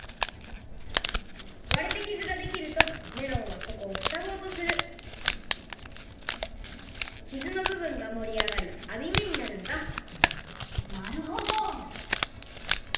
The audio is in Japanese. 割れて傷ができるとメロンはそこをふさごうとする傷のぶぶんがもりあがりあみ目になるんだなるほど！